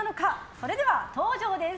それでは登場です。